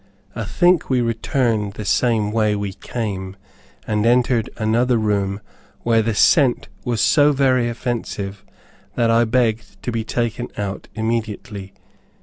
I think we returned the same way we came, and entered another room where the scent was so very offensive, that I begged to be taken out immediately.